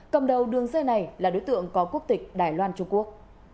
cầm đầu đường dây này là đối tượng có quốc tịch đài loan trung quốc